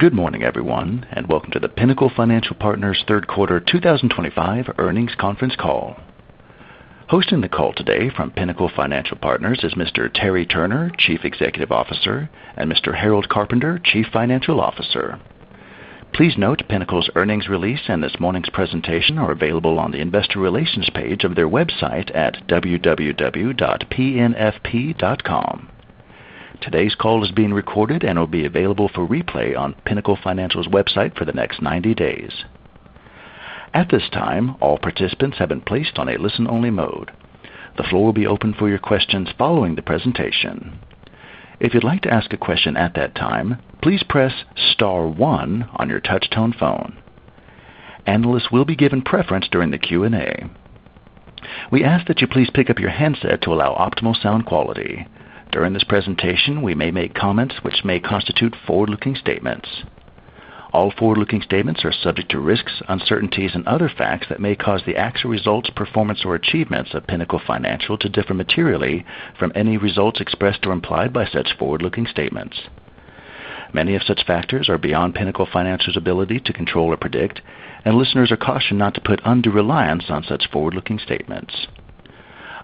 Good morning, everyone, and welcome to the Pinnacle Financial Partners Third Quarter 2025 Earnings Conference Call. Hosting the call today from Pinnacle Financial Partners is Mr. Terry Turner, Chief Executive Officer, and Mr. Harold Carpenter, Chief Financial Officer. Please note Pinnacle's earnings release and this morning's presentation are available on the Investor Relations page of their website at www.pnfp.com. Today's call is being recorded and will be available for replay on Pinnacle Financial's website for the next 90 days. At this time, all participants have been placed on a listen-only mode. The floor will be open for your questions following the presentation. If you'd like to ask a question at that time, please press star one on your touch-tone phone. Analysts will be given preference during the Q&A. We ask that you please pick up your headset to allow optimal sound quality. During this presentation, we may make comments which may constitute forward-looking statements. All forward-looking statements are subject to risks, uncertainties, and other facts that may cause the actual results, performance, or achievements of Pinnacle Financial to differ materially from any results expressed or implied by such forward-looking statements. Many of such factors are beyond Pinnacle Financial's ability to control or predict, and listeners are cautioned not to put undue reliance on such forward-looking statements.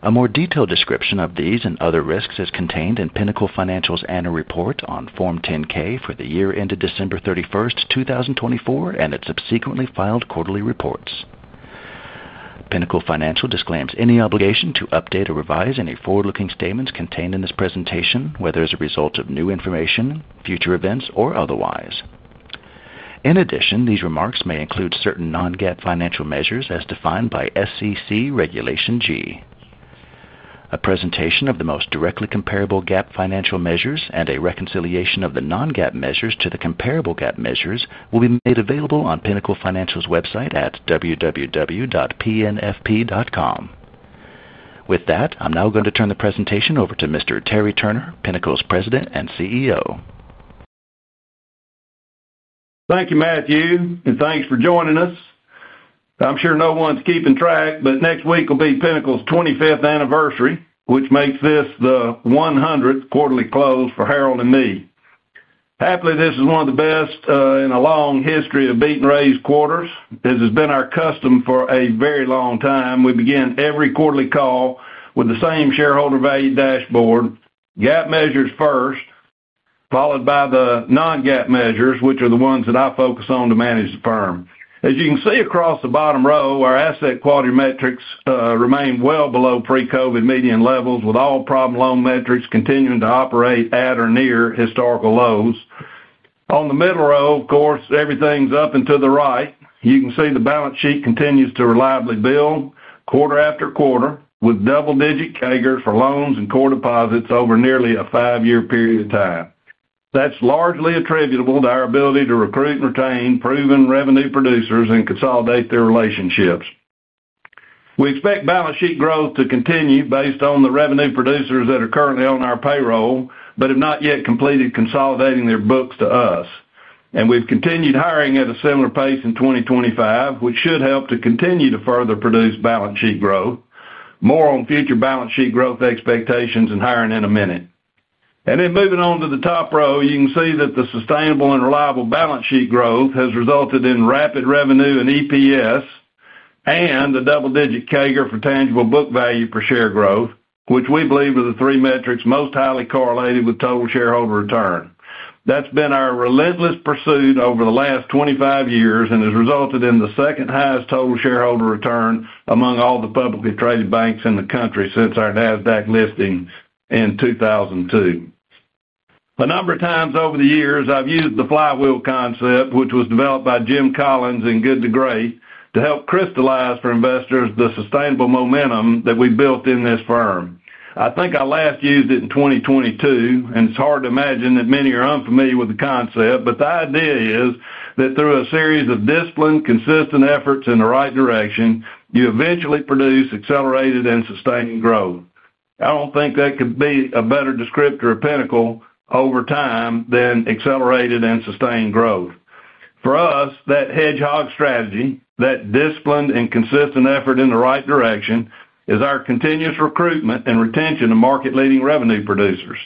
A more detailed description of these and other risks is contained in Pinnacle Financial's annual report on Form 10-K for the year ended December 31st, 2024, and its subsequently filed quarterly reports. Pinnacle Financial disclaims any obligation to update or revise any forward-looking statements contained in this presentation, whether as a result of new information, future events, or otherwise. In addition, these remarks may include certain non-GAAP financial measures as defined by SEC Regulation G. A presentation of the most directly comparable GAAP financial measures and a reconciliation of the non-GAAP measures to the comparable GAAP measures will be made available on Pinnacle Financial's website at www.pnfp.com. With that, I'm now going to turn the presentation over to Mr. Terry Turner, Pinnacle's President and CEO. Thank you, Matthew, and thanks for joining us. I'm sure no one's keeping track, but next week will be Pinnacle's 25th anniversary, which makes this the 100th quarterly close for Harold and me. Happily, this is one of the best in a long history of beaten-raised quarters. This has been our custom for a very long time. We begin every quarterly call with the same shareholder value dashboard, GAAP measures first, followed by the non-GAAP measures, which are the ones that I focus on to manage the firm. As you can see across the bottom row, our asset quality metrics remain well below pre-COVID median levels, with all problem loan metrics continuing to operate at or near historical lows. On the middle row, of course, everything's up and to the right. You can see the balance sheet continues to reliably build quarter after quarter with double-digit CAGRs for loans and core deposits over nearly a five-year period of time. That's largely attributable to our ability to recruit and retain proven revenue producers and consolidate their relationships. We expect balance sheet growth to continue based on the revenue producers that are currently on our payroll, but have not yet completed consolidating their books to us. We've continued hiring at a similar pace in 2025, which should help to continue to further produce balance sheet growth. More on future balance sheet growth expectations and hiring in a minute. Moving on to the top row, you can see that the sustainable and reliable balance sheet growth has resulted in rapid revenue and EPS and the double-digit CAGR for tangible book value per share growth, which we believe are the three metrics most highly correlated with total shareholder return. That's been our relentless pursuit over the last 25 years and has resulted in the second highest total shareholder return among all the publicly traded banks in the country since our NASDAQ listing in 2002. A number of times over the years, I've used the flywheel concept, which was developed by Jim Collins in Good to Great, to help crystallize for investors the sustainable momentum that we've built in this firm. I think I last used it in 2022, and it's hard to imagine that many are unfamiliar with the concept, but the idea is that through a series of disciplined, consistent efforts in the right direction, you eventually produce accelerated and sustained growth. I don't think there could be a better descriptor of Pinnacle over time than accelerated and sustained growth. For us, that hedgehog strategy, that disciplined and consistent effort in the right direction, is our continuous recruitment and retention of market-leading revenue producers.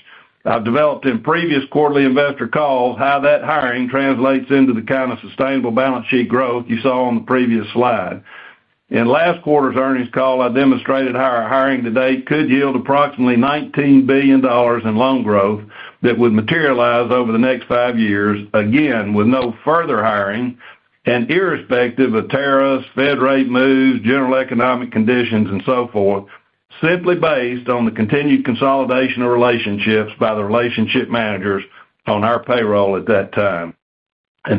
I've developed in previous quarterly investor calls how that hiring translates into the kind of sustainable balance sheet growth you saw on the previous slide. In last quarter's earnings call, I demonstrated how our hiring today could yield approximately $19 billion in loan growth that would materialize over the next five years, again, with no further hiring and irrespective of tariffs, Fed rate moves, general economic conditions, and so forth, simply based on the continued consolidation of relationships by the relationship managers on our payroll at that time.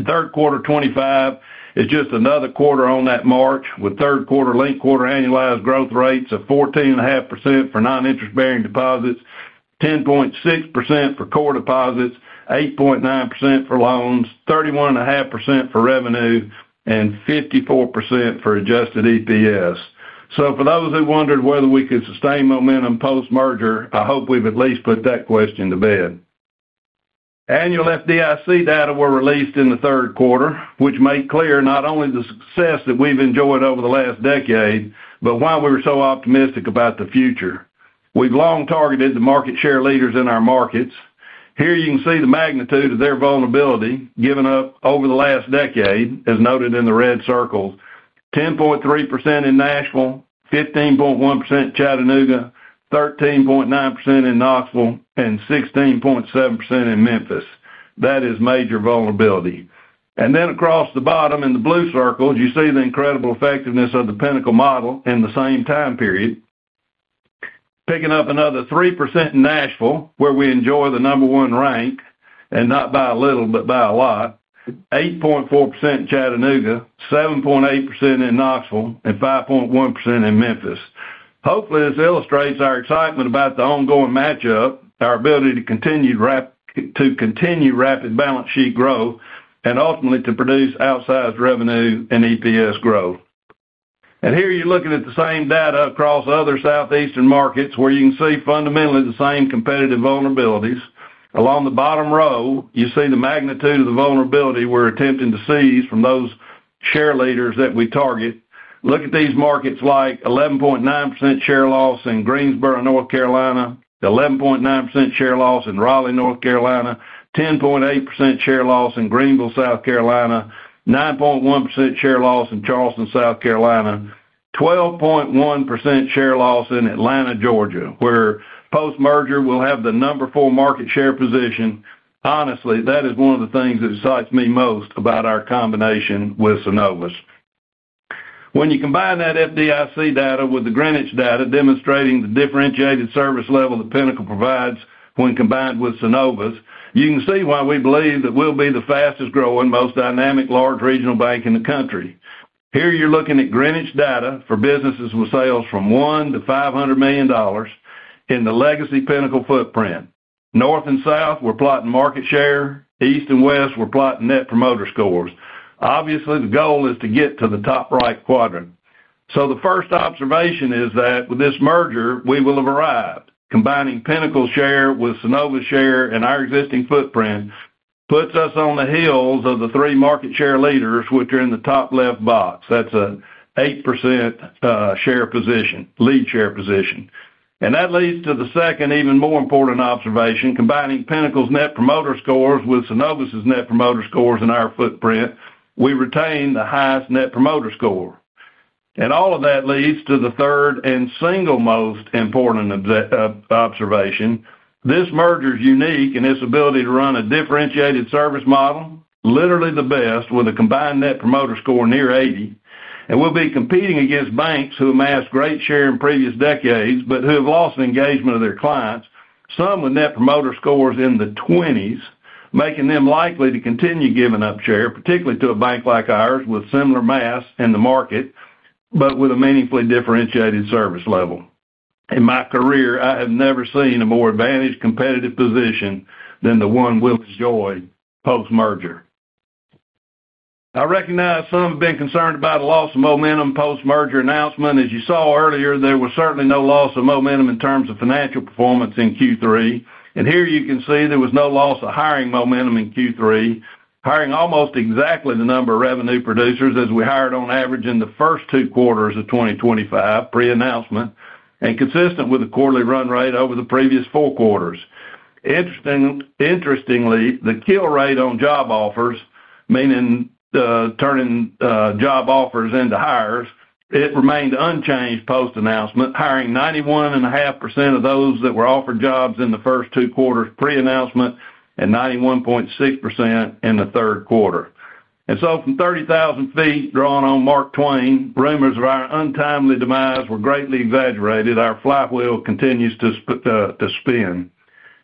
Third Quarter 2025 is just another quarter on that march, with third quarter linked quarter annualized growth rates of 14.5% for non-interest-bearing deposits, 10.6% for core deposits, 8.9% for loans, 31.5% for revenue, and 54% for adjusted EPS. For those who wondered whether we could sustain momentum post-merger, I hope we've at least put that question to bed. Annual FDIC data were released in the third quarter, which made clear not only the success that we've enjoyed over the last decade, but why we were so optimistic about the future. We've long targeted the market share leaders in our markets. Here you can see the magnitude of their vulnerability given up over the last decade, as noted in the red circles: 10.3% in Nashville, 15.1% in Chattanooga, 13.9% in Knoxville, and 16.7% in Memphis. That is major vulnerability. Across the bottom in the blue circles, you see the incredible effectiveness of the Pinnacle model in the same time period, picking up another 3% in Nashville, where we enjoy the number one rank, and not by a little, but by a lot, 8.4% in Chattanooga, 7.8% in Knoxville, and 5.1% in Memphis. Hopefully, this illustrates our excitement about the ongoing matchup, our ability to continue rapid balance sheet growth, and ultimately to produce outsized revenue and EPS growth. Here you're looking at the same data across other southeastern markets, where you can see fundamentally the same competitive vulnerabilities. Along the bottom row, you see the magnitude of the vulnerability we're attempting to seize from those share leaders that we target. Look at these markets like 11.9% share loss in Greensboro, North Carolina, 11.9% share loss in Raleigh, North Carolina, 10.8% share loss in Greenville, South Carolina, 9.1% share loss in Charleston, South Carolina, 12.1% share loss in Atlanta, Georgia, where post-merger we'll have the number four market share position. Honestly, that is one of the things that excites me most about our combination with Synovus. When you combine that FDIC data with the Greenwich data demonstrating the differentiated service level that Pinnacle provides when combined with Synovus, you can see why we believe that we'll be the fastest growing, most dynamic large regional bank in the country. Here you're looking at Greenwich data for businesses with sales from $1 to $500 million in the legacy Pinnacle footprint. North and South, we're plotting market share. East and West, we're plotting net promoter scores. Obviously, the goal is to get to the top right quadrant. The first observation is that with this merger, we will have arrived. Combining Pinnacle's share with Synovus's share and our existing footprint puts us on the heels of the three market share leaders, which are in the top left box. That's an 8% share position, lead share position. That leads to the second, even more important observation: combining Pinnacle's net promoter scores with Synovus's net promoter scores in our footprint, we retain the highest net promoter score. All of that leads to the third and single most important observation. This merger is unique in its ability to run a differentiated service model, literally the best, with a combined net promoter score near 80. We'll be competing against banks who amassed great share in previous decades, but who have lost the engagement of their clients, some with net promoter scores in the 20s, making them likely to continue giving up share, particularly to a bank like ours with similar mass in the market, but with a meaningfully differentiated service level. In my career, I have never seen a more advantaged competitive position than the one we'll enjoy post-merger. I recognize some have been concerned about a loss of momentum post-merger announcement. As you saw earlier, there was certainly no loss of momentum in terms of financial performance in Q3. Here you can see there was no loss of hiring momentum in Q3, hiring almost exactly the number of revenue producers as we hired on average in the first two quarters of 2025, pre-announcement, and consistent with the quarterly run rate over the previous four quarters. Interestingly, the kill rate on job offers, meaning turning job offers into hires, remained unchanged post-announcement, hiring 91.5% of those that were offered jobs in the first two quarters pre-announcement and 91.6% in the third quarter. From 30,000 ft, drawn on Mark Twain, rumors of our untimely demise were greatly exaggerated. Our flywheel continues to spin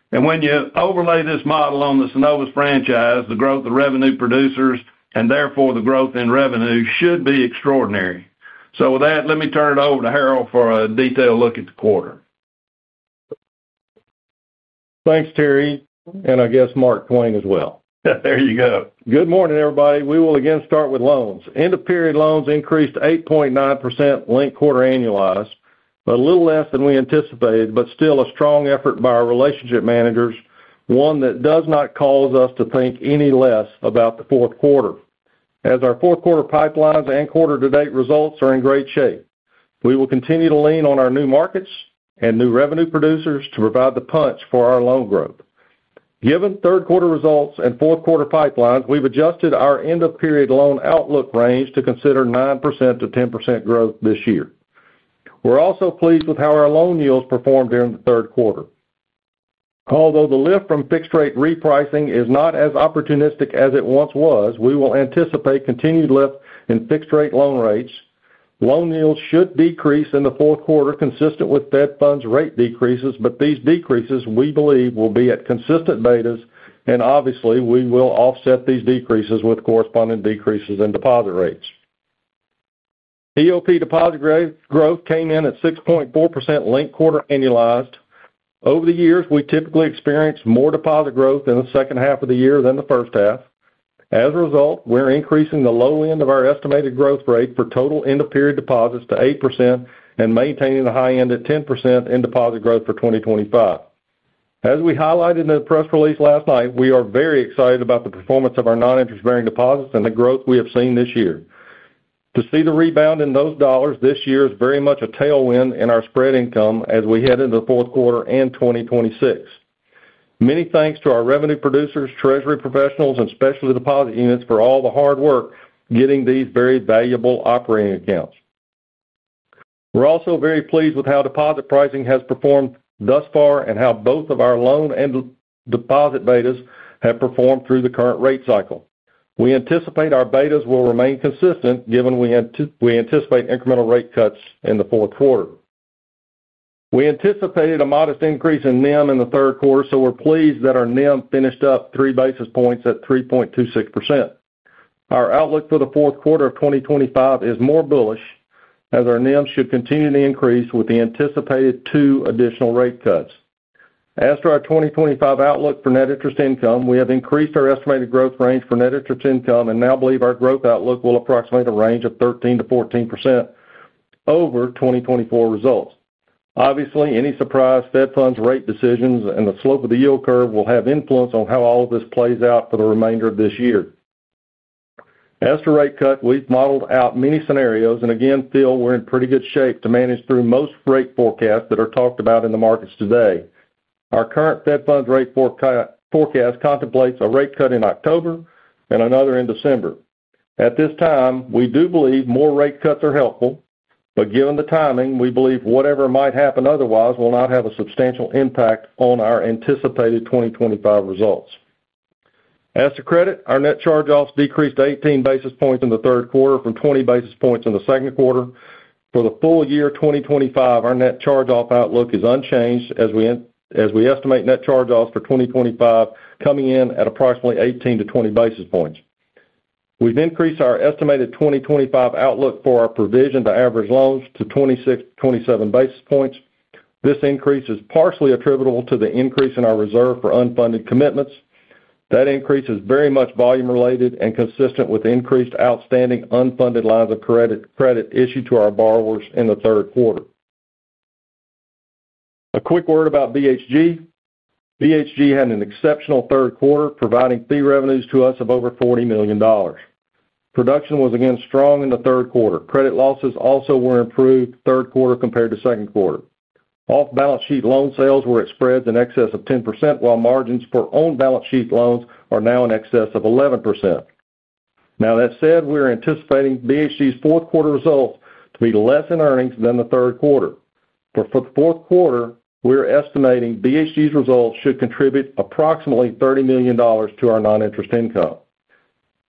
and when you overlay this model on the Synovus. franchise, the growth of revenue producers and therefore the growth in revenue should be extraordinary. With that, let me turn it over to Harold for a detailed look at the quarter. Thanks, Terry, and I guess Mark Twain as well. There you go. Good morning, everybody. We will again start with loans. End-of-period loans increased 8.9% linked quarter annualized, a little less than we anticipated, but still a strong effort by our relationship managers, one that does not cause us to think any less about the fourth quarter. As our fourth quarter pipelines and quarter-to-date results are in great shape, we will continue to lean on our new markets and new revenue producers to provide the punch for our loan growth. Given third quarter results and fourth quarter pipelines, we've adjusted our end-of-period loan outlook range to consider 9%-10% growth this year. We're also pleased with how our loan yields performed during the third quarter. Although the lift from fixed-rate repricing is not as opportunistic as it once was, we will anticipate continued lift in fixed-rate loan rates. Loan yields should decrease in the fourth quarter, consistent with Fed funds rate decreases, but these decreases we believe will be at consistent betas, and obviously we will offset these decreases with corresponding decreases in deposit rates. End-of-period deposit growth came in at 6.4% linked quarter annualized. Over the years, we typically experience more deposit growth in the second half of the year than the first half. As a result, we're increasing the low end of our estimated growth rate for total end-of-period deposits to 8% and maintaining the high end at 10% in deposit growth for 2025. As we highlighted in the press release last night, we are very excited about the performance of our non-interest-bearing deposits and the growth we have seen this year. To see the rebound in those dollars this year is very much a tailwind in our spread income as we head into the fourth quarter and 2026. Many thanks to our revenue producers, treasury professionals, and specialty deposit units for all the hard work getting these very valuable operating accounts. We're also very pleased with how deposit pricing has performed thus far and how both of our loan and deposit betas have performed through the current rate cycle. We anticipate our betas will remain consistent given we anticipate incremental rate cuts in the fourth quarter. We anticipated a modest increase in NIM in the third quarter, so we're pleased that our NIM finished up three basis points at 3.26%. Our outlook for the fourth quarter of 2025 is more bullish, as our NIM should continue to increase with the anticipated two additional rate cuts. As for our 2025 outlook for net interest income, we have increased our estimated growth range for net interest income and now believe our growth outlook will approximate a range of 13%-14% over 2024 results. Obviously, any surprise Fed funds rate decisions and the slope of the yield curve will have influence on how all of this plays out for the remainder of this year. As to rate cut, we've modeled out many scenarios and again feel we're in pretty good shape to manage through most rate forecasts that are talked about in the markets today. Our current Fed funds rate forecast contemplates a rate cut in October and another in December. At this time, we do believe more rate cuts are helpful, but given the timing, we believe whatever might happen otherwise will not have a substantial impact on our anticipated 2025 results. As to credit, our net charge-offs decreased 18 basis points in the third quarter from 20 basis points in the second quarter. For the full year 2025, our net charge-off outlook is unchanged as we estimate net charge-offs for 2025 coming in at approximately 18-20 basis points. We've increased our estimated 2025 outlook for our provision to average loans to 26-27 basis points. This increase is partially attributable to the increase in our reserve for unfunded commitments. That increase is very much volume-related and consistent with increased outstanding unfunded lines of credit issued to our borrowers in the third quarter. A quick word about BHG. BHG had an exceptional third quarter, providing fee revenues to us of over $40 million. Production was again strong in the third quarter. Credit losses also were improved third quarter compared to second quarter. Off-balance sheet loan sales were at spreads in excess of 10%, while margins for owned balance sheet loans are now in excess of 11%. That said, we are anticipating BHG's fourth quarter results to be less in earnings than the third quarter. For the fourth quarter, we're estimating BHG's results should contribute approximately $30 million to our non-interest income.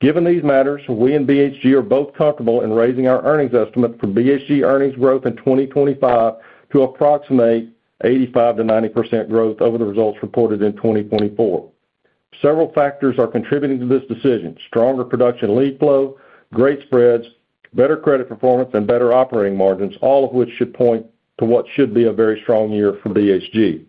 Given these matters, we and BHG are both comfortable in raising our earnings estimate for BHG earnings growth in 2025 to approximate 85%-90% growth over the results reported in 2024. Several factors are contributing to this decision: stronger production lead flow, great spreads, better credit performance, and better operating margins, all of which should point to what should be a very strong year for BHG.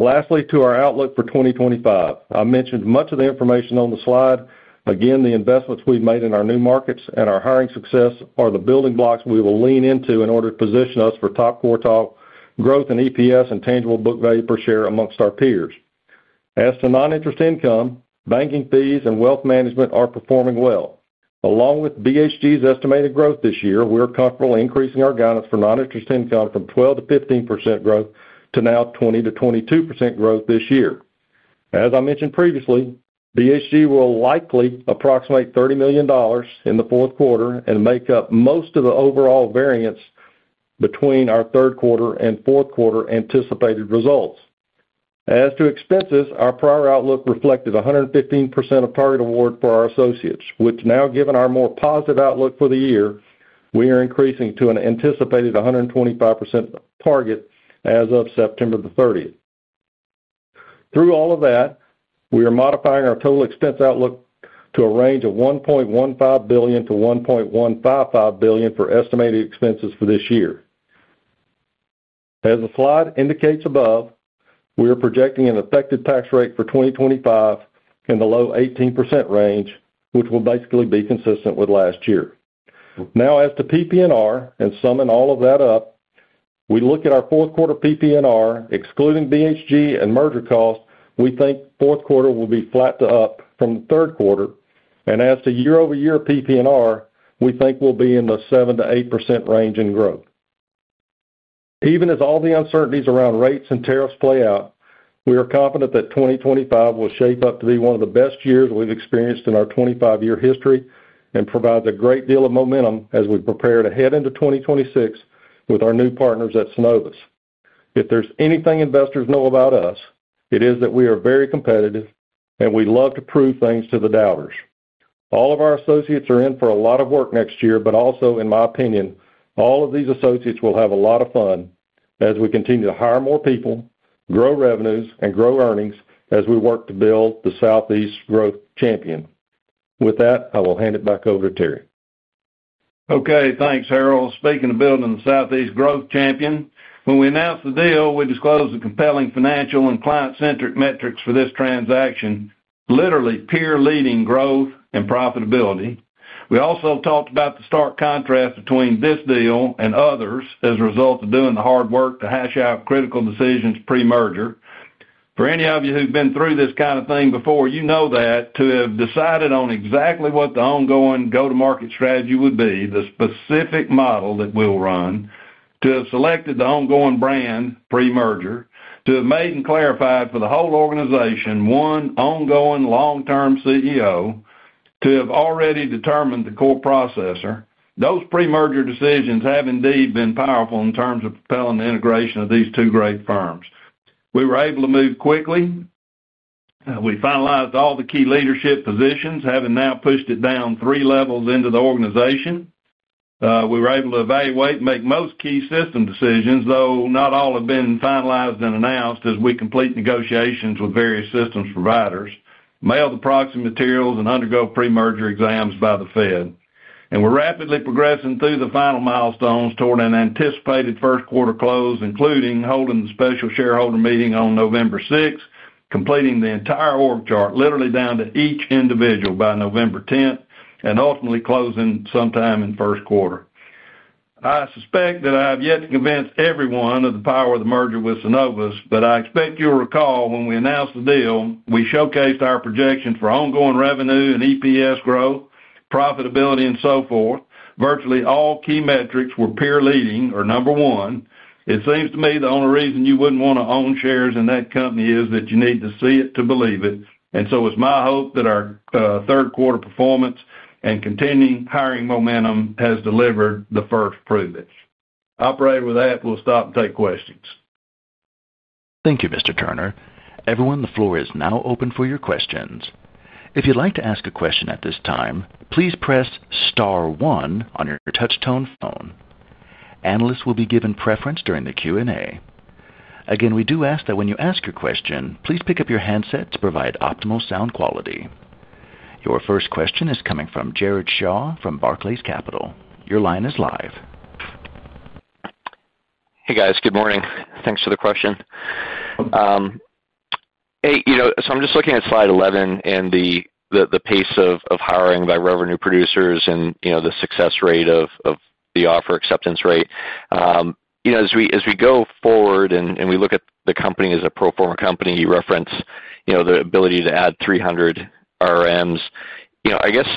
Lastly, to our outlook for 2025, I mentioned much of the information on the slide. Again, the investments we've made in our new markets and our hiring success are the building blocks we will lean into in order to position us for top quartile growth in EPS and tangible book value per share amongst our peers. As to non-interest income, banking fees and wealth management are performing well. Along with BHG's estimated growth this year, we're comfortable increasing our guidance for non-interest income from 12% to 15% growth to now 20% to 22% growth this year. As I mentioned previously, BHG will likely approximate $30 million in the fourth quarter and make up most of the overall variance between our third quarter and fourth quarter anticipated results. As to expenses, our prior outlook reflected 115% of target award for our associates, which now, given our more positive outlook for the year, we are increasing to an anticipated 125% target as of September 30th. Through all of that, we are modifying our total expense outlook to a range of $1.15 billion-$1.155 billion for estimated expenses for this year. As the slide indicates above, we are projecting an effective tax rate for 2025 in the low 18% range, which will basically be consistent with last year. Now, as to PP&R and summing all of that up, we look at our fourth quarter PP&R, excluding BHG and merger costs. We think the fourth quarter will be flat to up from the third quarter. As to year-over-year PP&R, we think we'll be in the 7%-8% range in growth. Even as all the uncertainties around rates and tariffs play out, we are confident that 2025 will shape up to be one of the best years we've experienced in our 25-year history and provide a great deal of momentum as we prepare to head into 2026 with our new partners at Synovus. If there's anything investors know about us, it is that we are very competitive and we love to prove things to the doubters. All of our associates are in for a lot of work next year, but also, in my opinion, all of these associates will have a lot of fun as we continue to hire more people, grow revenues, and grow earnings as we work to build the Southeast Growth Champion. With that, I will hand it back over to Terry. Okay, thanks, Harold. Speaking of building the Southeast Growth Champion, when we announced the deal, we disclosed the compelling financial and client-centric metrics for this transaction, literally peer-leading growth and profitability. We also talked about the stark contrast between this deal and others as a result of doing the hard work to hash out critical decisions pre-merger. For any of you who've been through this kind of thing before, you know that to have decided on exactly what the ongoing go-to-market strategy would be, the specific model that we'll run, to have selected the ongoing brand pre-merger, to have made and clarified for the whole organization one ongoing long-term CEO, to have already determined the core processor, those pre-merger decisions have indeed been powerful in terms of propelling the integration of these two great firms. We were able to move quickly. We finalized all the key leadership positions, having now pushed it down three levels into the organization. We were able to evaluate and make most key system decisions, though not all have been finalized and announced as we complete negotiations with various systems providers, mail the proxy materials, and undergo pre-merger exams by the Fed. We're rapidly progressing through the final milestones toward an anticipated first quarter close, including holding the special shareholder meeting on November 6th, completing the entire org chart literally down to each individual by November 10th, and ultimately closing sometime in the first quarter. I suspect that I have yet to convince everyone of the power of the merger with Synovus, but I expect you'll recall when we announced the deal, we showcased our projections for ongoing revenue and EPS growth, profitability, and so forth. Virtually all key metrics were peer-leading or number one. It seems to me the only reason you wouldn't want to own shares in that company is that you need to see it to believe it. It's my hope that our third quarter performance and continuing hiring momentum has delivered the first proof. Operator, with that, we'll stop and take questions. Thank you, Mr. Turner. Everyone, the floor is now open for your questions. If you'd like to ask a question at this time, please press star one on your touch-tone phone. Analysts will be given preference during the Q&A. Again, we do ask that when you ask your question, please pick up your headset to provide optimal sound quality. Your first question is coming from Jared Shaw from Barclays Capital. Your line is live. Good morning. Thanks for the question. I'm just looking at slide 11 and the pace of hiring by revenue producers and the success rate of the offer acceptance rate. As we go forward and we look at the company as a pro forma company, you reference the ability to add 300 RMs. I guess,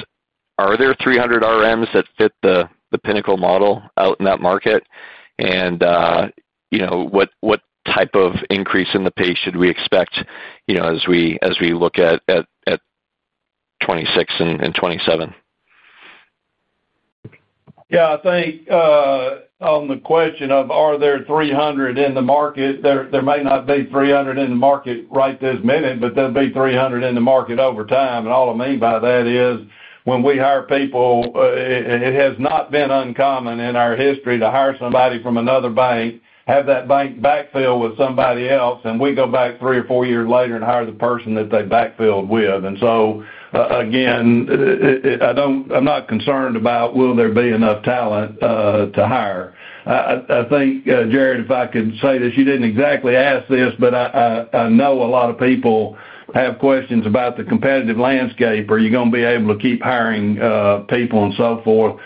are there 300 RMs that fit the Pinnacle model out in that market? What type of increase in the pace should we expect as we look at 2026 and 2027? Yeah, I think, on the question of are there 300 in the market, there may not be 300 in the market right this minute, but there'll be 300 in the market over time. All I mean by that is when we hire people, it has not been uncommon in our history to hire somebody from another bank, have that bank backfill with somebody else, and we go back three or four years later and hire the person that they backfilled with. I don't, I'm not concerned about will there be enough talent to hire. I think, Jared, if I could say this, you didn't exactly ask this, but I know a lot of people have questions about the competitive landscape. Are you going to be able to keep hiring people and so forth?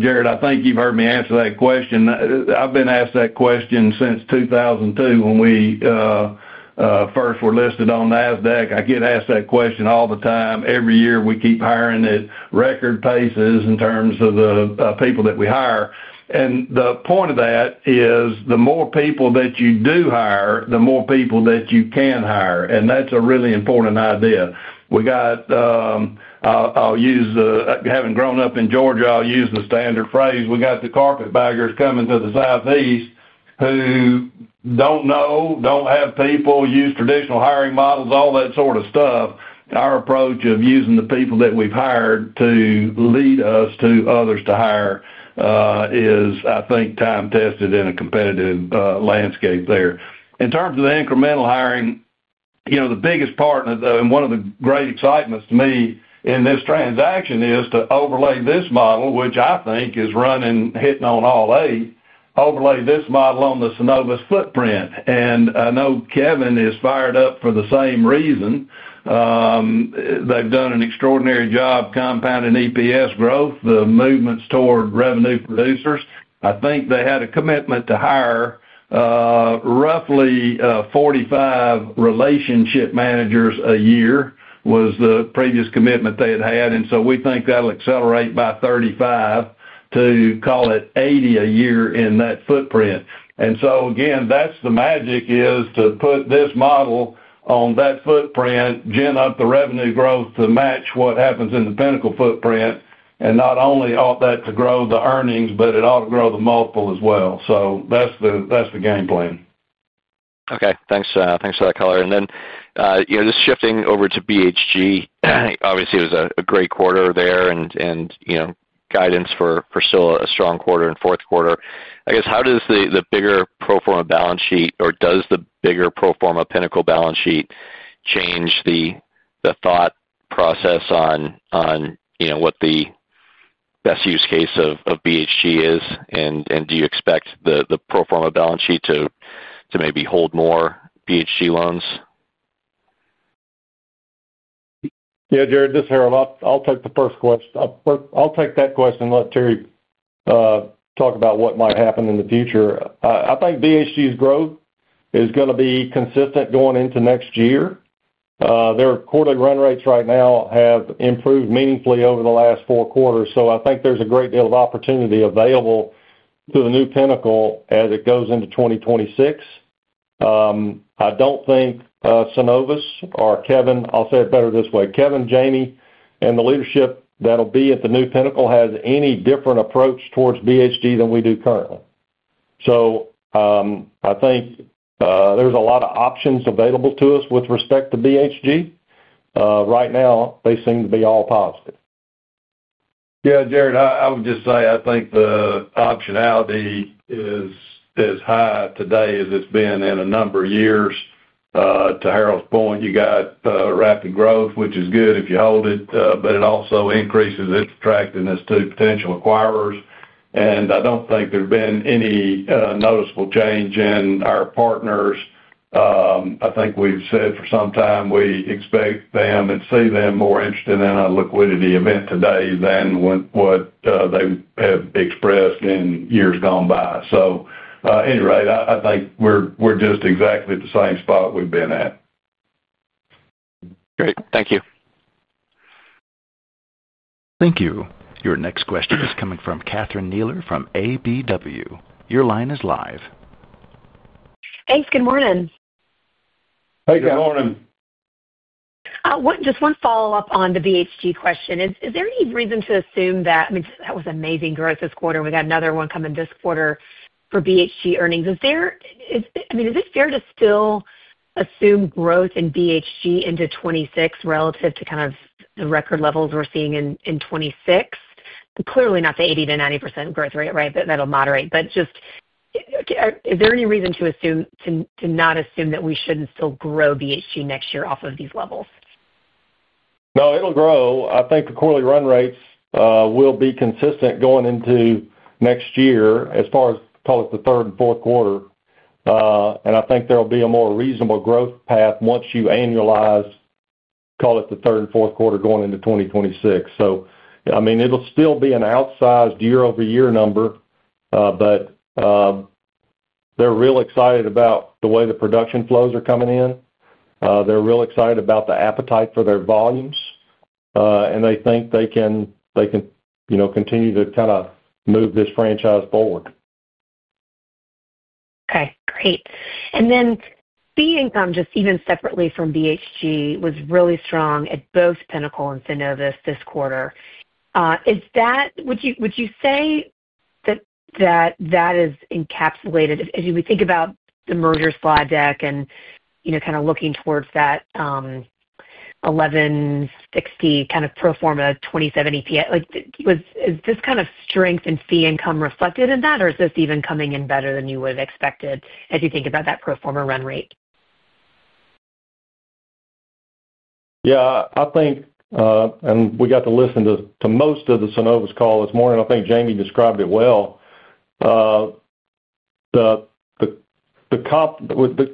Jared, I think you've heard me answer that question. I've been asked that question since 2002 when we first were listed on the NASDAQ. I get asked that question all the time. Every year we keep hiring at record paces in terms of the people that we hire. The point of that is the more people that you do hire, the more people that you can hire. That's a really important idea. I'll use the, having grown up in Georgia, I'll use the standard phrase, we got the carpetbaggers coming to the Southeast who don't know, don't have people, use traditional hiring models, all that sort of stuff. Our approach of using the people that we've hired to lead us to others to hire is, I think, time-tested in a competitive landscape there. In terms of the incremental hiring, the biggest partner, and one of the great excitements to me in this transaction is to overlay this model, which I think is running, hitting on all eight, overlay this model on the Synovus footprint. I know Kevin is fired up for the same reason. They've done an extraordinary job compounding EPS growth, the movements toward revenue producers. I think they had a commitment to hire, roughly, 45 relationship managers a year was the previous commitment they had had. We think that'll accelerate by 35 to call it 80 a year in that footprint. That's the magic, to put this model on that footprint, gin up the revenue growth to match what happens in the Pinnacle footprint. Not only ought that to grow the earnings, but it ought to grow the multiple as well. That's the game plan. Okay, thanks for the color. Just shifting over to BHG, obviously it was a great quarter there, and guidance for still a strong quarter in the fourth quarter. I guess, how does the bigger pro forma balance sheet, or does the bigger pro forma Pinnacle balance sheet, change the thought process on what the best use case of BHG is? Do you expect the pro forma balance sheet to maybe hold more BHG loans? Yeah, Jared, this is Harold. I'll take the first question. I'll take that question and let Terry talk about what might happen in the future. I think BHG's growth is going to be consistent going into next year. Their quarterly run rates right now have improved meaningfully over the last four quarters. I think there's a great deal of opportunity available to the new Pinnacle as it goes into 2026. I don't think, Synovus or Kevin, I'll say it better this way, Kevin, Jamie, and the leadership that'll be at the new Pinnacle has any different approach towards BHG than we do currently. I think there's a lot of options available to us with respect to BHG. Right now, they seem to be all positive. Yeah. Jared, I would just say I think the optionality is as high today as it's been in a number of years. To Harold's point, you got rapid growth, which is good if you hold it, but it also increases its attractiveness to potential acquirers. I don't think there's been any noticeable change in our partners. I think we've said for some time we expect them and see them more interested in a liquidity event today than what they have expressed in years gone by. At any rate, I think we're just exactly at the same spot we've been at. Great. Thank you. Thank you. Your next question is coming from Catherine Neeler from ABW. Your line is live. Hey, good morning. Hey, good morning. Just one follow-up on the BHG question. Is there any reason to assume that, I mean, that was amazing growth this quarter, and we got another one coming this quarter for BHG earnings? Is there, I mean, is it fair to still assume growth in BHG into 2026 relative to kind of the record levels we're seeing in 2026? Clearly not the 80%-90% growth rate, right? That'll moderate. Just, is there any reason to not assume that we shouldn't still grow BHG next year off of these levels? No, it'll grow. I think the quarterly run rates will be consistent going into next year as far as, call it, the third and fourth quarter. I think there'll be a more reasonable growth path once you annualize, call it, the third and fourth quarter going into 2026. It'll still be an outsized year-over-year number. They're real excited about the way the production flows are coming in. They're real excited about the appetite for their volumes, and they think they can continue to kind of move this franchise forward. Okay, great. Fee income, even separately from BHG, was really strong at both Pinnacle and Synovus this quarter. Would you say that is encapsulated as you think about the merger slide deck and kind of looking towards that $1,160 kind of pro forma 2027 P? Is this kind of strength in fee income reflected in that, or is this even coming in better than you would have expected as you think about that pro forma run rate? Yeah, I think, and we got to listen to most of the Synovus call this morning. I think Jamie described it well. The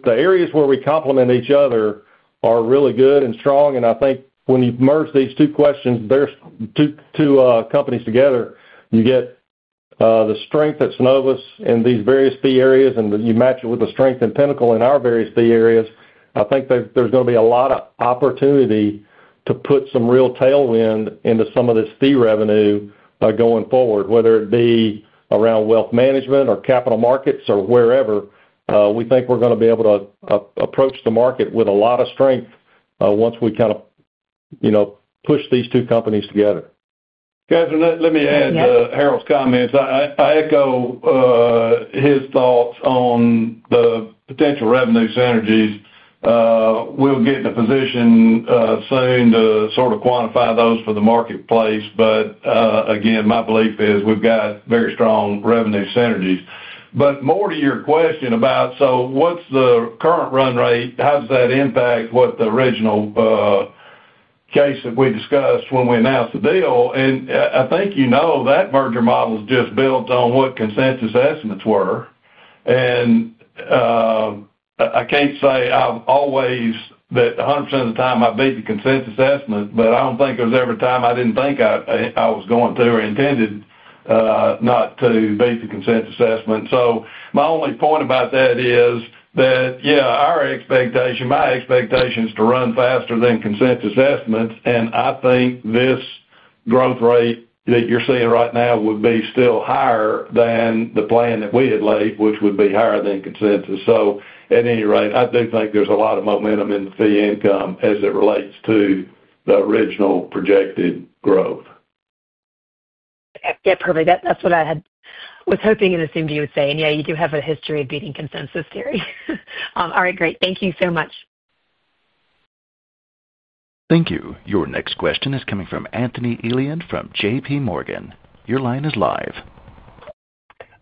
areas where we complement each other are really good and strong. I think when you merge these two companies together, you get the strength at Synovus in these various fee areas and you match it with the strength in Pinnacle in our various fee areas. I think there's going to be a lot of opportunity to put some real tailwind into some of this fee revenue going forward, whether it be around wealth management or capital markets or wherever. We think we're going to be able to approach the market with a lot of strength once we kind of, you know, push these two companies together. Guys, and. Let me add to Harold's comments. I echo his thoughts on the potential revenue synergies. We'll get in a position soon to sort of quantify those for the marketplace. Again, my belief is we've got very strong revenue synergies. More to your question about what's the current run rate, how does that impact what the original case that we discussed when we announced the deal? I think that merger model is just built on what consensus estimates were. I can't say I've always, that 100% of the time I beat the consensus estimates, but I don't think there's ever a time I didn't think I was going through or intended not to beat the consensus estimate. My only point about that is that, yeah, our expectation, my expectation is to run faster than consensus estimates. I think this growth rate that you're seeing right now would be still higher than the plan that we had laid, which would be higher than consensus. At any rate, I do think there's a lot of momentum in the fee income as it relates to the original projected growth. Yeah, perfect. That's what I was hoping and assumed you would say. Yeah, you do have a history of beating consensus, Terry. All right, great. Thank you so much. Thank you. Your next question is coming from Anthony Elian from JPMorgan. Your line is live.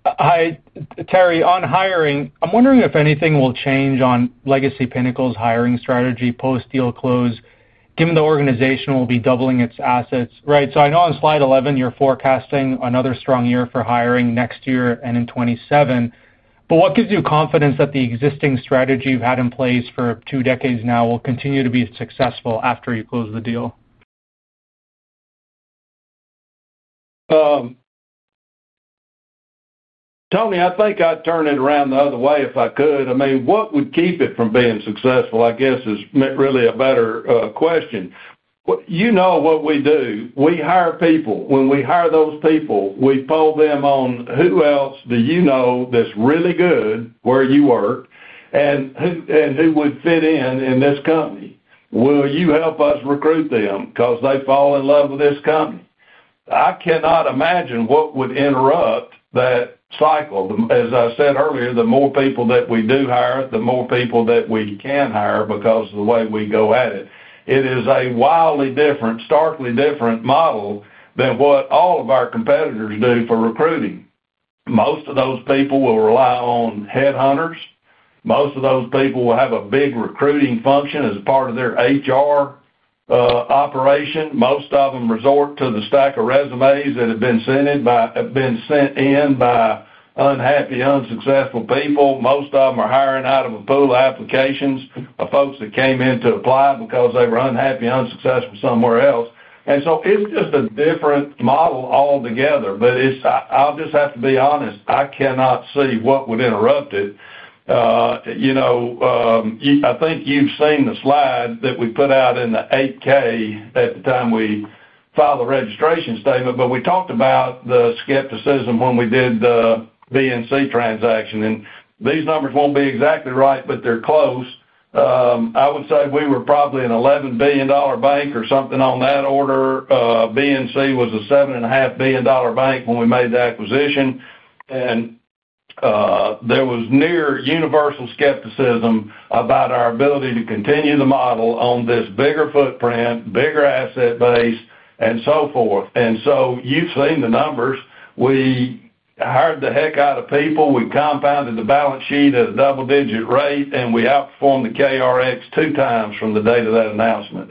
Hi, Terry. On hiring, I'm wondering if anything will change on legacy Pinnacle's hiring strategy post-deal close, given the organization will be doubling its assets, right? I know on slide 11, you're forecasting another strong year for hiring next year and in 2027. What gives you confidence that the existing strategy you've had in place for two decades now will continue to be successful after you close the deal? Tommy, I think I'd turn it around the other way if I could. I mean, what would keep it from being successful, I guess, is really a better question. You know what we do. We hire people. When we hire those people, we poll them on who else do you know that's really good where you work and who would fit in in this company. Will you help us recruit them because they fall in love with this company? I cannot imagine what would interrupt that cycle. As I said earlier, the more people that we do hire, the more people that we can hire because of the way we go at it. It is a wildly different, starkly different model than what all of our competitors do for recruiting. Most of those people will rely on headhunters. Most of those people will have a big recruiting function as part of their HR operation. Most of them resort to the stack of resumes that have been sent in by unhappy, unsuccessful people. Most of them are hiring out of a pool of applications of folks that came in to apply because they were unhappy, unsuccessful somewhere else. It's just a different model altogether. I'll just have to be honest, I cannot see what would interrupt it. I think you've seen the slide that we put out in the 8K at the time we filed the registration statement, but we talked about the skepticism when we did the BNC transaction. These numbers won't be exactly right, but they're close. I would say we were probably an $11 billion bank or something on that order. BNC was a $7.5 billion bank when we made the acquisition. There was near universal skepticism about our ability to continue the model on this bigger footprint, bigger asset base, and so forth. You've seen the numbers. We hired the heck out of people. We compounded the balance sheet at a double-digit rate, and we outperformed the KRX two times from the date of that announcement.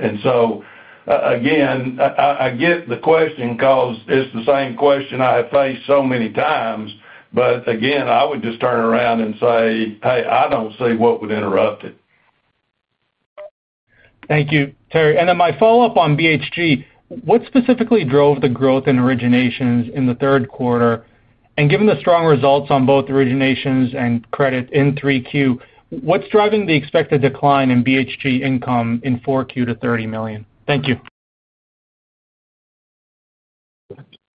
I get the question because it's the same question I have faced so many times. I would just turn it around and say, hey, I don't see what would interrupt it. Thank you, Terry. My follow-up on BHG, what specifically drove the growth in originations in the third quarter? Given the strong results on both originations and credit in 3Q, what's driving the expected decline in BHG income in 4Q to $30 million? Thank you.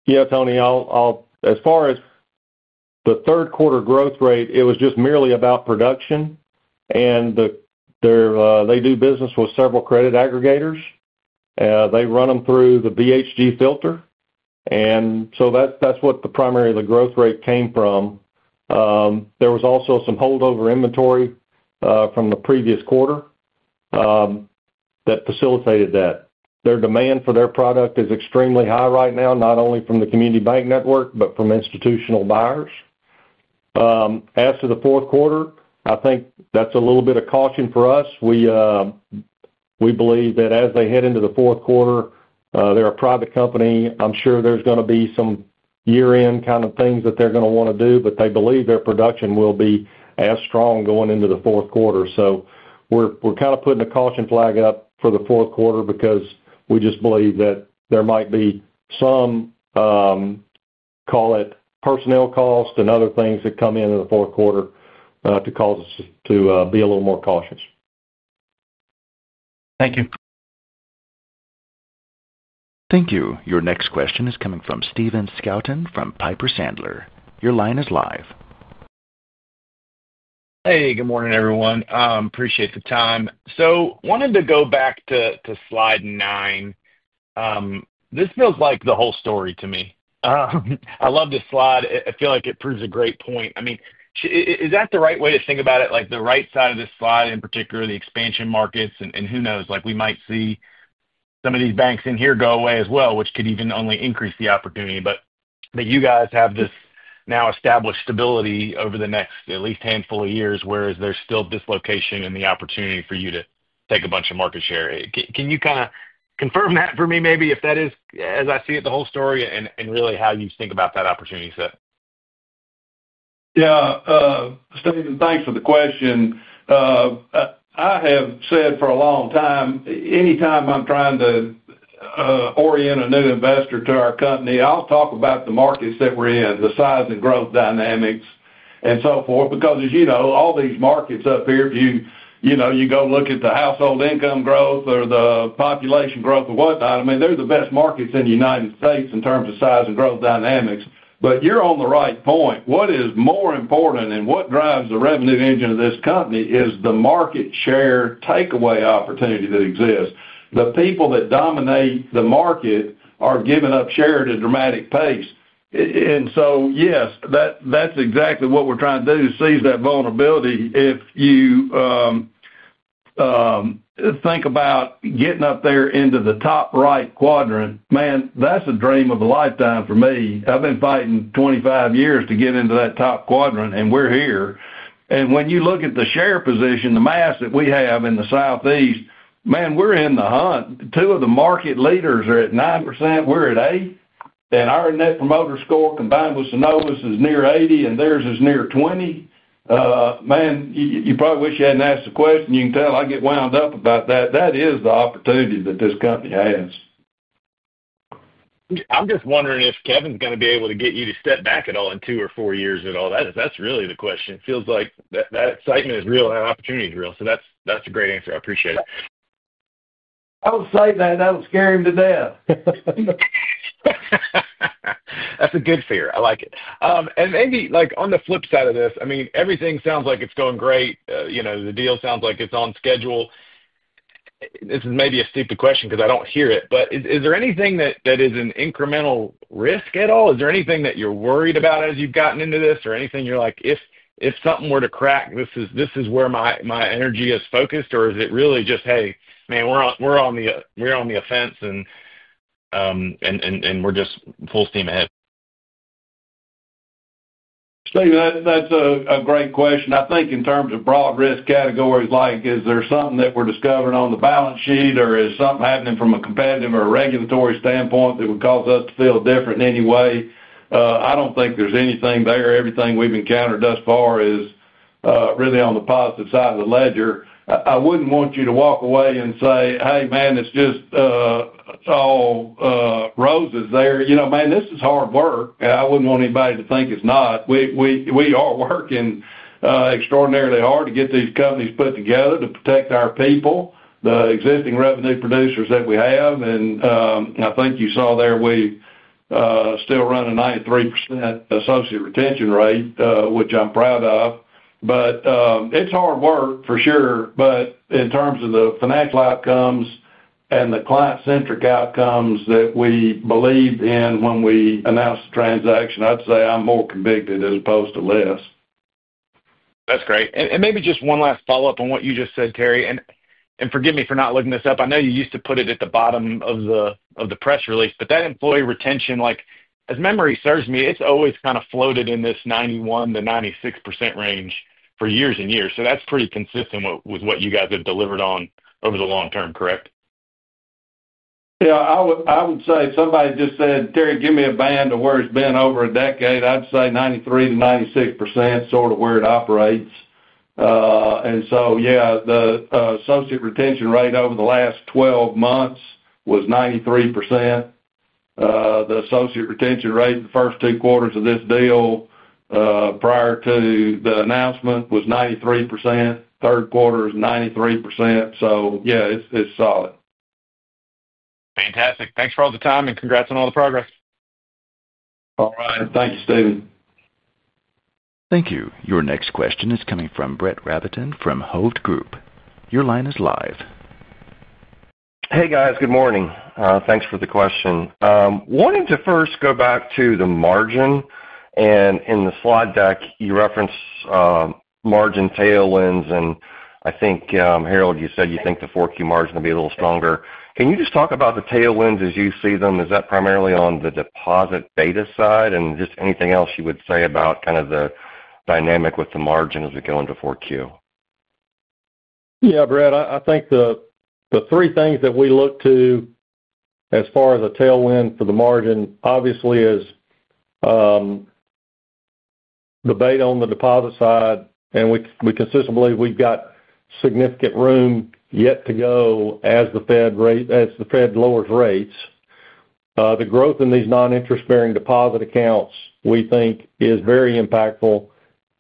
Yeah, Tony, as far as the third quarter growth rate, it was just merely about production. They do business with several credit aggregators. They run them through the BHG filter, and that's what the primary growth rate came from. There was also some holdover inventory from the previous quarter that facilitated that. Their demand for their product is extremely high right now, not only from the community bank network, but from institutional buyers. As to the fourth quarter, I think that's a little bit of caution for us. We believe that as they head into the fourth quarter, they're a private company. I'm sure there's going to be some year-end kind of things that they're going to want to do, but they believe their production will be as strong going into the fourth quarter. We're kind of putting a caution flag up for the fourth quarter because we just believe that there might be some, call it, personnel costs and other things that come in in the fourth quarter to cause us to be a little more cautious. Thank you. Thank you. Your next question is coming from Steven Scouten from Piper Sandler. Your line is live. Hey, good morning, everyone. Appreciate the time. I wanted to go back to slide nine. This feels like the whole story to me. I love this slide. I feel like it proves a great point. Is that the right way to think about it? The right side of this slide, in particular, the expansion markets and who knows, we might see some of these banks in here go away as well, which could even only increase the opportunity. You guys have this now established stability over the next at least handful of years, whereas there's still dislocation and the opportunity for you to take a bunch of market share. Can you kind of confirm that for me, maybe if that is, as I see it, the whole story and really how you think about that opportunity set? Yeah, Steven, thanks for the question. I have said for a long time, anytime I'm trying to orient a new investor to our company, I'll talk about the markets that we're in, the size and growth dynamics, and so forth. As you know, all these markets up here, if you go look at the household income growth or the population growth or whatnot, they're the best markets in the United States in terms of size and growth dynamics. You're on the right point. What is more important and what drives the revenue engine of this company is the market share takeaway opportunity that exists. The people that dominate the market are giving up share at a dramatic pace. Yes, that's exactly what we're trying to do, seize that vulnerability. If you think about getting up there into the top right quadrant, man, that's a dream of a lifetime for me. I've been fighting 25 years to get into that top quadrant, and we're here. When you look at the share position, the mass that we have in the Southeast, man, we're in the hunt. Two of the market leaders are at 9%, we're at 8%. Our net promoter score combined with Synovus is near 80%, and theirs is near 20%. Man, you probably wish you hadn't asked the question. You can tell I get wound up about that. That is the opportunity that this company has. I'm just wondering if Kevin's going to be able to get you to step back at all in two or four years at all. That's really the question. It feels like that excitement is real and that opportunity is real. That's a great answer. I appreciate it. I would say that that'll scare him to death. That's a good fear. I like it. Maybe on the flip side of this, everything sounds like it's going great. The deal sounds like it's on schedule. This is maybe a stupid question because I don't hear it, but is there anything that is an incremental risk at all? Is there anything that you're worried about as you've gotten into this or anything you're like, if something were to crack, this is where my energy is focused? Or is it really just, hey, man, we're on the offense and we're just full steam ahead? Steven, that's a great question. I think in terms of broad risk categories, like is there something that we're discovering on the balance sheet or is something happening from a competitive or a regulatory standpoint that would cause us to feel different in any way? I don't think there's anything there. Everything we've encountered thus far is really on the positive side of the ledger. I wouldn't want you to walk away and say, hey, man, it's just all roses there. This is hard work. I wouldn't want anybody to think it's not. We are working extraordinarily hard to get these companies put together to protect our people, the existing revenue producers that we have. I think you saw there, we still run a 93% associate retention rate, which I'm proud of. It's hard work for sure. In terms of the financial outcomes and the client-centric outcomes that we believed in when we announced the transaction, I'd say I'm more convicted as opposed to less. That's great. Maybe just one last follow-up on what you just said, Terry. Forgive me for not looking this up. I know you used to put it at the bottom of the press release, but that employee retention, like as memory serves me, it's always kind of floated in this 91%-96% range for years and years. That's pretty consistent with what you guys have delivered on over the long term, correct? I would say if somebody just said, Terry, give me a band to where it's been over a decade, I'd say 93%-96%, sort of where it operates. The associate retention rate over the last 12 months was 93%. The associate retention rate in the first two quarters of this deal prior to the announcement was 93%. Third quarter is 93%. It's solid. Fantastic. Thanks for all the time and congrats on all the progress. All right. Thank you, Steven. Thank you. Your next question is coming from Brett Rabatin from Hovde Group. Your line is live. Hey guys, good morning. Thanks for the question. Wanting to first go back to the margin. In the slide deck, you referenced margin tailwinds. I think, Harold, you said you think the 4Q margin will be a little stronger. Can you just talk about the tailwinds as you see them? Is that primarily on the deposit beta side? Anything else you would say about the dynamic with the margin as we go into 4Q? Yeah, Brett, I think the three things that we look to as far as a tailwind for the margin, obviously, is debate on the deposit side. We consistently believe we've got significant room yet to go as the Fed lowers rates. The growth in these non-interest-bearing deposit accounts, we think, is very impactful.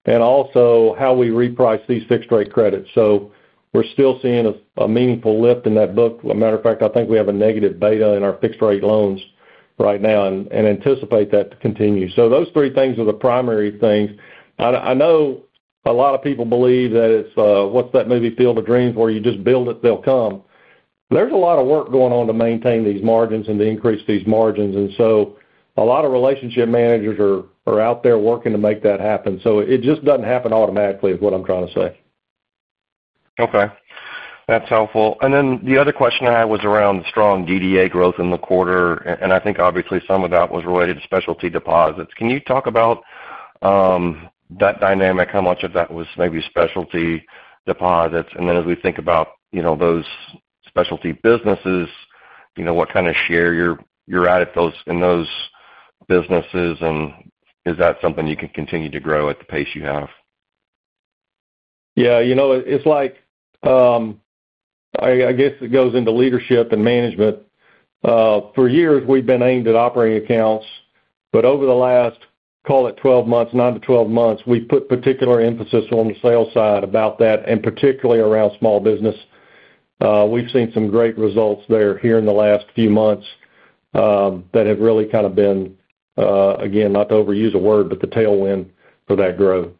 Also, how we reprice these fixed-rate credits. We're still seeing a meaningful lift in that book. As a matter of fact, I think we have a negative beta in our fixed-rate loans right now and anticipate that to continue. Those three things are the primary things. I know a lot of people believe that it's what's that movie Field of Dreams where you just build it, they'll come. There's a lot of work going on to maintain these margins and to increase these margins. A lot of relationship managers are out there working to make that happen. It just doesn't happen automatically is what I'm trying to say. Okay, that's helpful. The other question I had was around the strong DDA growth in the quarter. I think obviously some of that was related to specialty deposits. Can you talk about that dynamic, how much of that was maybe specialty deposits? As we think about those specialty businesses, what kind of share you're at in those businesses? Is that something you can continue to grow at the pace you have? Yeah, you know, it's like, I guess it goes into leadership and management. For years, we've been aimed at operating accounts. Over the last, call it 12 months, 9 to 12 months, we've put particular emphasis on the sales side about that, and particularly around small business. We've seen some great results there in the last few months that have really kind of been, again, not to overuse a word, but the tailwind for that growth.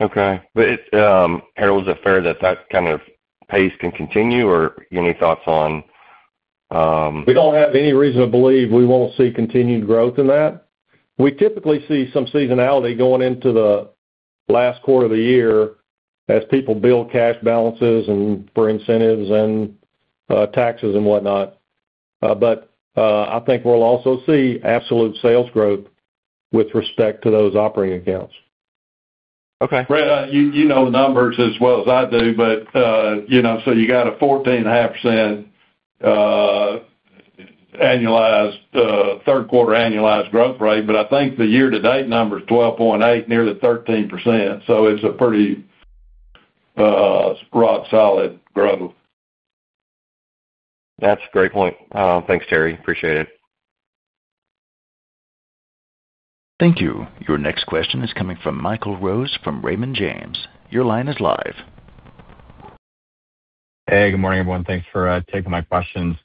Okay. Harold, is it fair that that kind of pace can continue? Or any thoughts on, We don't have any reason to believe we won't see continued growth in that. We typically see some seasonality going into the last quarter of the year as people build cash balances for incentives, taxes, and whatnot. I think we'll also see absolute sales growth with respect to those operating accounts. Okay. Brett, you know the numbers as well as I do. You got a 14.5% annualized, third quarter annualized growth rate. I think the year-to-date number is 12.8%, nearly 13%. It's a pretty rock-solid growth. That's a great point. Thanks, Terry. Appreciate it. Thank you. Your next question is coming from Michael Rose from Raymond James. Your line is live. Hey, good morning, everyone. Thanks for taking my questions.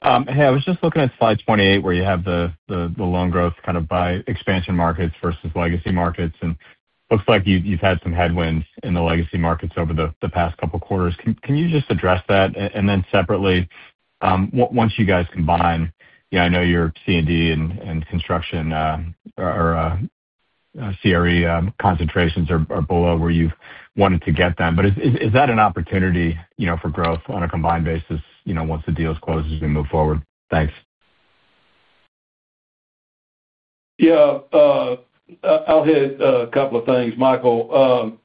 I was just looking at slide 28 where you have the loan growth kind of by expansion markets versus legacy markets. It looks like you've had some headwinds in the legacy markets over the past couple of quarters. Can you just address that? Separately, once you guys combine, I know your C&D and construction, or CRE concentrations are below where you've wanted to get them. Is that an opportunity for growth on a combined basis once the deal is closed as we move forward? Thanks. Yeah, I'll hit a couple of things, Michael.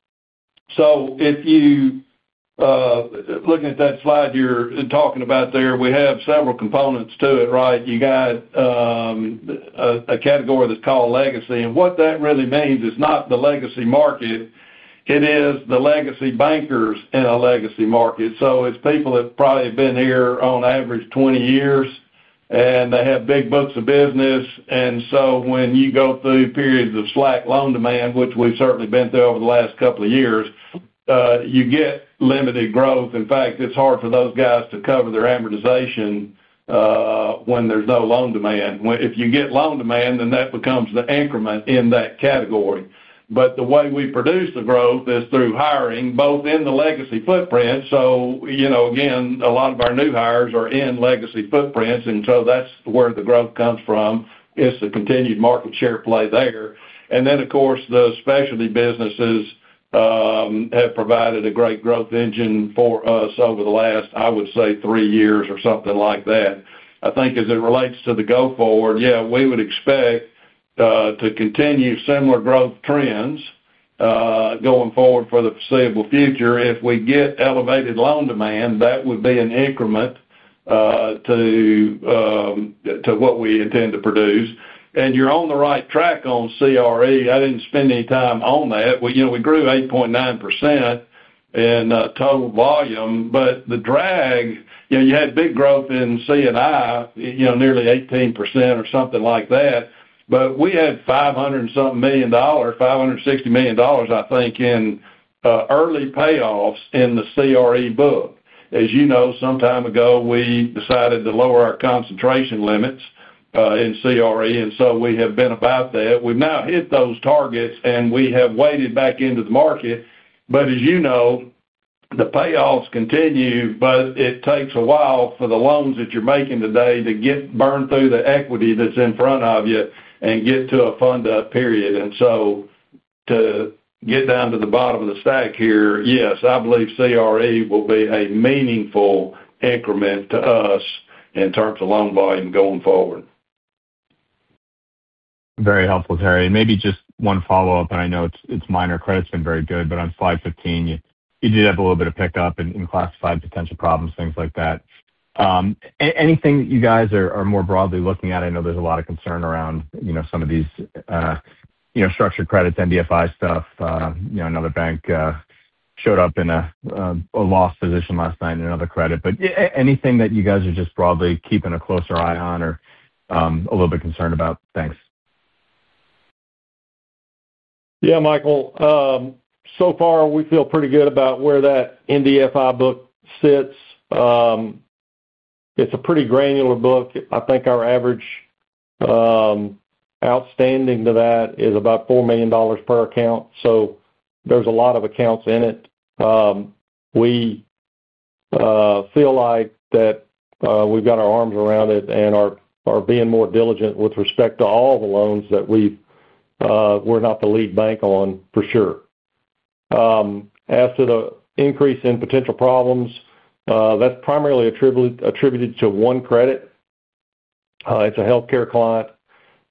If you look at that slide you're talking about there, we have several components to it, right? You got a category that's called legacy. What that really means is not the legacy market. It is the legacy bankers in a legacy market. So it's people that probably have been here on average 20 years, and they have big books of business. When you go through periods of slack loan demand, which we've certainly been through over the last couple of years, you get limited growth. In fact, it's hard for those guys to cover their amortization when there's no loan demand. If you get loan demand, then that becomes the increment in that category. The way we produce the growth is through hiring, both in the legacy footprint. A lot of our new hires are in legacy footprints. That's where the growth comes from, the continued market share play there. The specialty businesses have provided a great growth engine for us over the last, I would say, three years or something like that. I think as it relates to the go forward, we would expect to continue similar growth trends going forward for the foreseeable future. If we get elevated loan demand, that would be an increment to what we intend to produce. You're on the right track on CRE. I didn't spend any time on that. We grew 8.9% in total volume, but the drag, you had big growth in C&I, nearly 18% or something like that. We had $560 million, I think, in early payoffs in the CRE book. As you know, some time ago, we decided to lower our concentration limits in CRE. We have been about that. We've now hit those targets, and we have weighted back into the market. As you know, the payoffs continue, but it takes a while for the loans that you're making today to get burned through the equity that's in front of you and get to a fund-up period. To get down to the bottom of the stack here, yes, I believe CRE will be a meaningful increment to us in terms of loan volume going forward. Very helpful, Terry. Maybe just one follow-up, and I know it's minor. Credit's been very good, but on slide 15, you did have a little bit of pickup in classified potential problems, things like that. Anything that you guys are more broadly looking at? I know there's a lot of concern around some of these structured credits, NDFI stuff. Another bank showed up in a lost position last night in another credit. Anything that you guys are just broadly keeping a closer eye on or a little bit concerned about? Thanks. Yeah, Michael. So far, we feel pretty good about where that NDFI book sits. It's a pretty granular book. I think our average outstanding to that is about $4 million per account, so there's a lot of accounts in it. We feel like we've got our arms around it and are being more diligent with respect to all the loans that we're not the lead bank on for sure. As to the increase in potential problems, that's primarily attributed to one credit. It's a healthcare client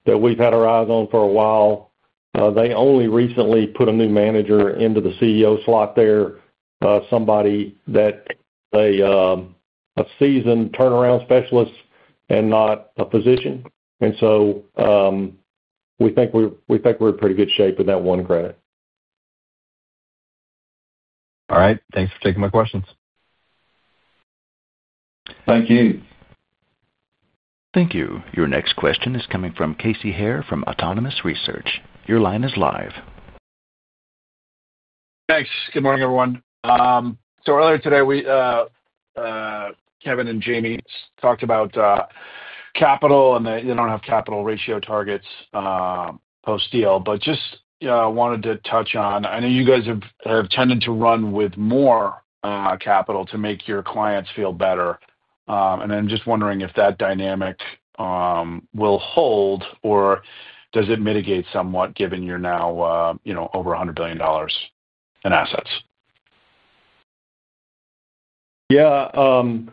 that we've had our eyes on for a while. They only recently put a new manager into the CEO slot there, somebody that's a seasoned turnaround specialist and not a physician. We think we're in pretty good shape with that one credit. All right. Thanks for taking my questions. Thank you. Thank you. Your next question is coming from Casey Haire from Autonomous Research. Your line is live. Thanks. Good morning, everyone. Earlier today, Kevin and Jamie talked about capital and that you don't have capital ratio targets post-deal. I just wanted to touch on, I know you guys have tended to run with more capital to make your clients feel better. I'm just wondering if that dynamic will hold or does it mitigate somewhat given you're now, you know, over $100 billion in assets? Yeah,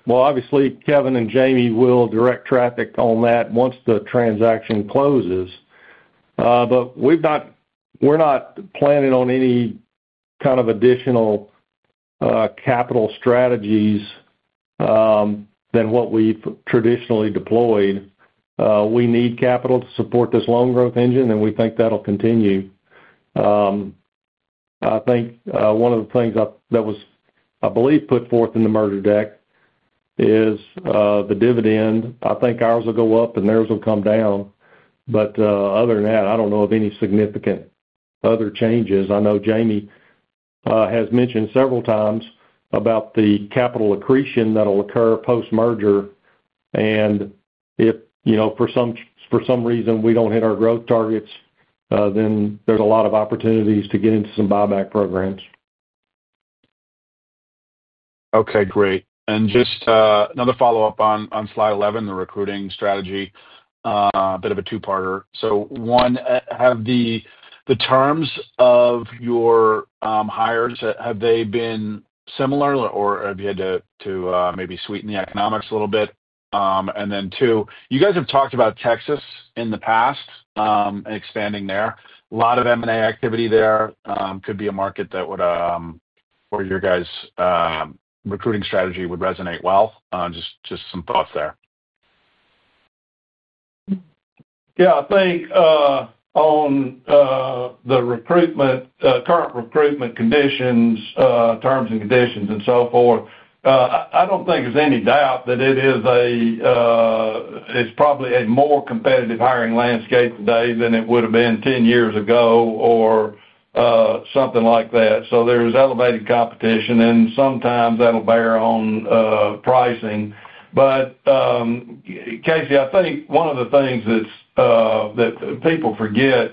obviously, Kevin and Jamie will direct traffic on that once the transaction closes. We're not planning on any kind of additional capital strategies than what we've traditionally deployed. We need capital to support this loan growth engine, and we think that'll continue. I think one of the things that was, I believe, put forth in the merger deck is the dividend. I think ours will go up and theirs will come down. Other than that, I don't know of any significant other changes. I know Jamie has mentioned several times about the capital accretion that'll occur post-merger. If, for some reason, we don't hit our growth targets, then there's a lot of opportunities to get into some buyback programs. Okay, great. Another follow-up on slide 11, the recruiting strategy, a bit of a two-parter. One, have the terms of your hires, have they been similar or have you had to maybe sweeten the economics a little bit? Then two, you guys have talked about Texas in the past, and expanding there. A lot of M&A activity there, could be a market that would, for your guys, recruiting strategy would resonate well. Just some thoughts there. Yeah, I think on the recruitment, current recruitment conditions, terms and conditions, and so forth, I don't think there's any doubt that it is a, it's probably a more competitive hiring landscape today than it would have been 10 years ago or something like that. There's elevated competition, and sometimes that'll bear on pricing. Casey, I think one of the things that people forget,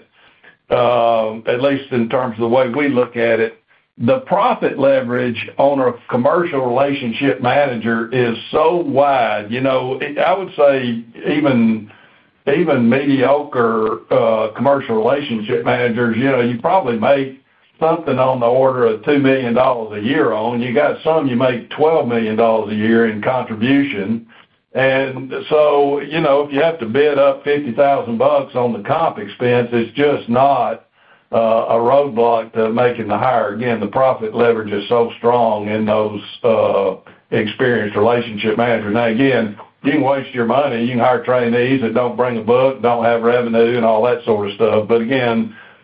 at least in terms of the way we look at it, the profit leverage on a commercial relationship manager is so wide. I would say even mediocre commercial relationship managers, you probably make something on the order of $2 million a year on. You got some, you make $12 million a year in contribution. If you have to bid up $50,000 on the comp expense, it's just not a roadblock to making the hire. The profit leverage is so strong in those experienced relationship managers. You can waste your money. You can hire trainees that don't bring a book, don't have revenue, and all that sort of stuff.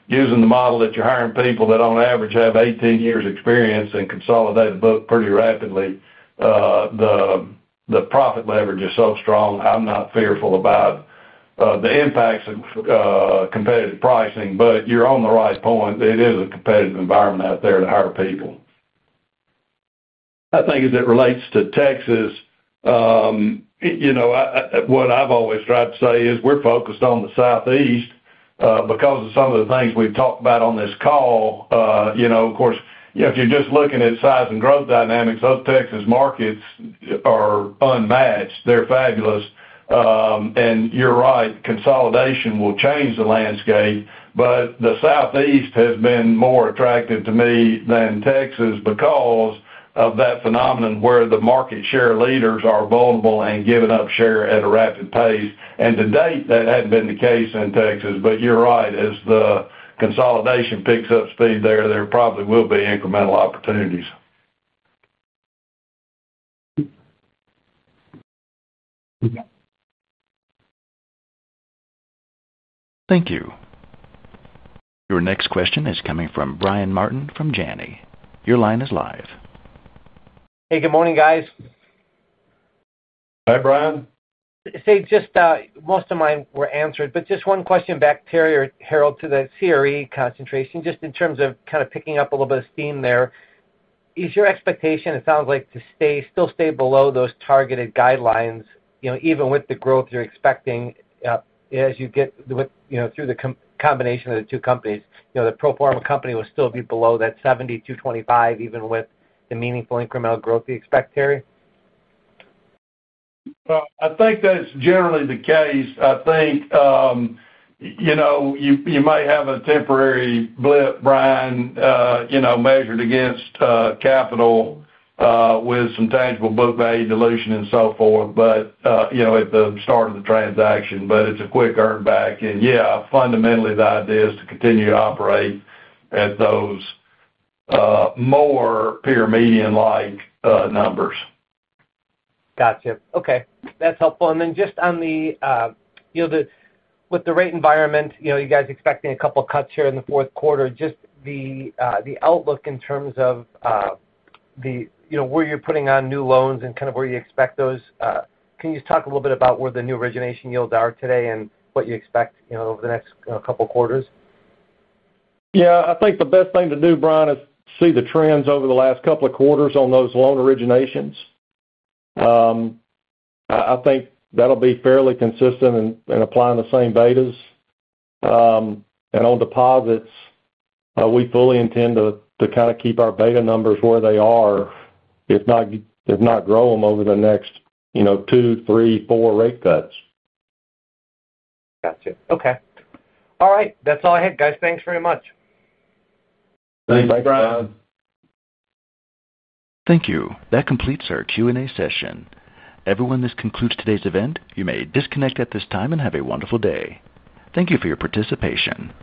Using the model that you're hiring people that on average have 18 years of experience and consolidate a book pretty rapidly, the profit leverage is so strong. I'm not fearful about the impacts of competitive pricing, but you're on the right point. It is a competitive environment out there to hire people. I think as it relates to Texas, what I've always tried to say is we're focused on the Southeast, because of some of the things we've talked about on this call. Of course, if you're just looking at size and growth dynamics, those Texas markets are unmatched. They're fabulous. You're right, consolidation will change the landscape, but the Southeast has been more attractive to me than Texas because of that phenomenon where the market share leaders are vulnerable and giving up share at a rapid pace. To date, that hadn't been the case in Texas, but you're right, as the consolidation picks up speed there, there probably will be incremental opportunities. Thank you. Your next question is coming from Brian Martin from Janney. Your line is live. Hey, good morning, guys. Hi, Brian. Just most of mine were answered, but just one question back, Terry or Harold, to the CRE concentration, in terms of kind of picking up a little bit of steam there. Is your expectation, it sounds like, to still stay below those targeted guidelines, even with the growth you're expecting, as you get through the combination of the two companies? The pro forma company will still be below that 70 to 25, even with the meaningful incremental growth you expect, Terry? I think that's generally the case. I think you might have a temporary blip, Bryan, measured against capital, with some tangible book value dilution and so forth, at the start of the transaction, but it's a quick earn back. Yeah, fundamentally, the idea is to continue to operate at those more pure median-like numbers. Okay, that's helpful. With the rate environment, you guys are expecting a couple of cuts here in the fourth quarter. The outlook in terms of where you're putting on new loans and kind of where you expect those, can you just talk a little bit about where the new origination yields are today and what you expect over the next couple of quarters? Yeah, I think the best thing to do, Bryan, is see the trends over the last couple of quarters on those loan originations. I think that'll be fairly consistent in applying the same betas. On deposits, we fully intend to kind of keep our beta numbers where they are, if not grow them over the next, you know, two, three, four rate cuts. Gotcha. Okay. All right, that's all I had, guys. Thanks very much. Thanks, Brian. Thank you, Brian. Thank you. That completes our Q&A session. Everyone, this concludes today's event. You may disconnect at this time and have a wonderful day. Thank you for your participation.